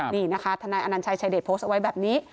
นี่นะคะทนายอนัญชัยชายเดชโพสต์เอาไว้แบบนี้